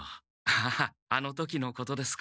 あああの時のことですか。